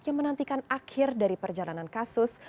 yang menantikan akhir dari perjalanan kasus